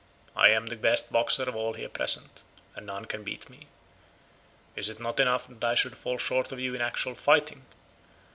I am the best boxer of all here present, and none can beat me. Is it not enough that I should fall short of you in actual fighting?